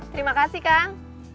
terima kasih kang